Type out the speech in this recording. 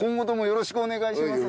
よろしくお願いします。